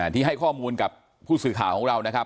ที่ให้ข้อมูลกับผู้สื่อข่าวของเรานะครับ